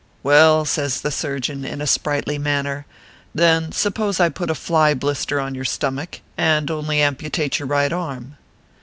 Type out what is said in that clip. " Well," says the surgeon, in a sprightly manner, " then suppose I put a fly blister on your stomick, and only amputate your right arm